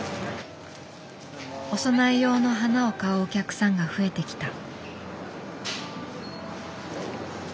お供え用の花を買うお客さんが増えてきた。